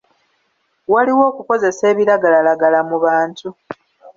Waliwo okukozesa ebiragalalagala mu bantu.